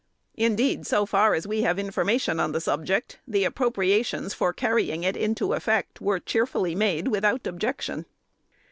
Indeed, so far as we have information on the subject, the appropriations for carrying it into effect were cheerfully made, without objection.